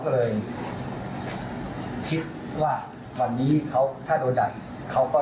ก็ชนมุฆิจ้ำ่ว่าคนร้ายรายมิถูกจัดปิดตัวแล้ว